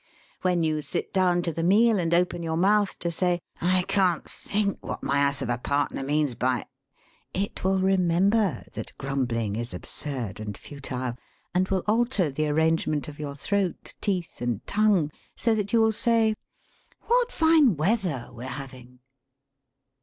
When you sit down to the meal and open your mouth to say: 'I can't think what my ass of a partner means by ' it will remember that grumbling is absurd and futile, and will alter the arrangement of your throat, teeth, and tongue, so that you will say: 'What fine weather we're having!'